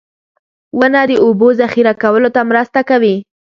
• ونه د اوبو ذخېره کولو ته مرسته کوي.